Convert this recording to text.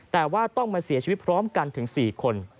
แต่ว่าต้องมาเสียชีวิตพร้อมกันถึง๔คน